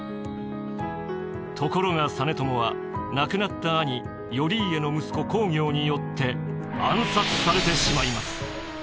ところが実朝は亡くなった兄頼家の息子公暁によって暗殺されてしまいます。